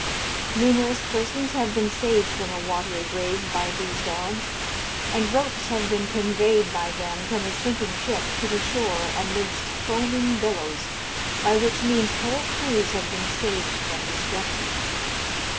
Numerous persons have been saved from a watery grave by these dogs, and ropes have been conveyed by them from a sinking ship to the shore amidst foaming billows, by which means whole crews have been saved from destruction.